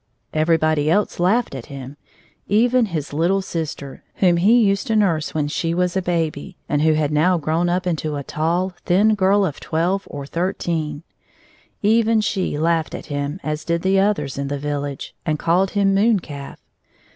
Everybody else laughed at him; even his little sister, whom he used to nurse when she was a baby and who had now grown up into a tall, thin ^1 of twelve or thir teen — even she laughed at him as did the others in the village, and called him moon calf.